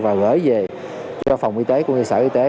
và gửi về cho phòng y tế quân y sở y tế